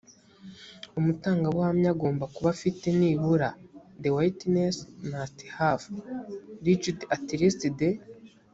umutangabuhamya agomba kuba afite nibura the witness must have reached at least the